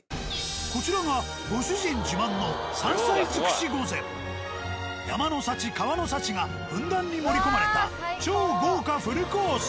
こちらがご主人自慢の山の幸川の幸がふんだんに盛り込まれた超豪華フルコース。